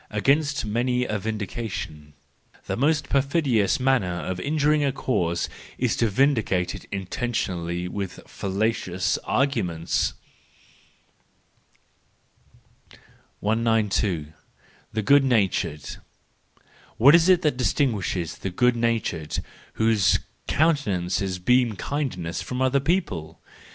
Against many a Vindication .—The most per¬ fidious manner of injuring a cause is to vindicate it intentionally with fallacious arguments. 192. The Good natured\ —What is it that distinguishes the good natured, whose countenances beam kind¬ ness, from other people